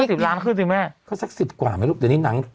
สิบล้านขึ้นสิแม่ก็สักสิบกว่าไหมลูกเดี๋ยวนี้หนัง